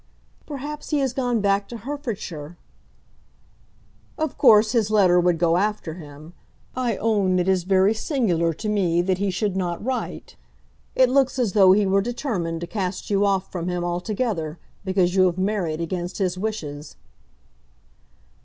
"Perhaps he has gone back to Herefordshire?" "Of course his letter would go after him. I own it is very singular to me that he should not write. It looks as though he were determined to cast you off from him altogether because you have married against his wishes."